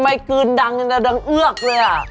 ชิมไปกลืนดังจะเดินอือกเลยอ่ะ